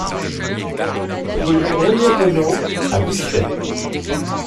Rue René Renault à Buchelay